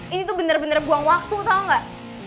ini tuh bener bener buang waktu tau gak